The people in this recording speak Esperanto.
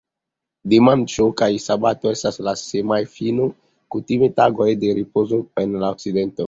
Dimanĉo kaj sabato estas la "semajnfino", kutime tagoj de ripozo en la Okcidento.